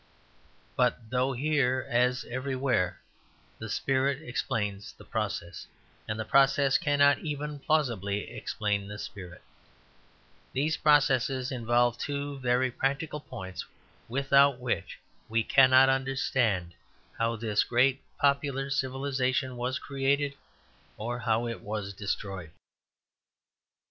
But though here as everywhere the spirit explains the processes, and the processes cannot even plausibly explain the spirit, these processes involve two very practical points, without which we cannot understand how this great popular civilization was created or how it was destroyed.